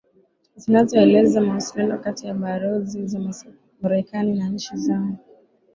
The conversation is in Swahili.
zinazoeleza mawasiliano kati ya barozi za marekani na nchi zao